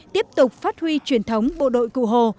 tiếp tục phát huy truyền thống bộ đội cụ hồ